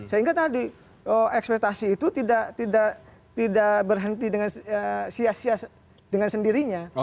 sehingga tadi ekspektasi itu tidak berhenti dengan sia sia dengan sendirinya